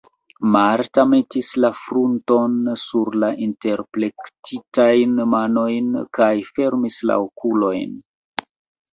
Marta metis la frunton sur la interplektitajn manojn kaj fermis la okulojn.